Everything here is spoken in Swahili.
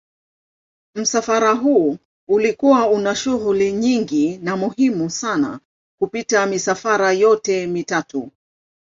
Msafara huu ulikuwa una shughuli nyingi na muhimu sana kupita misafara yote mitatu.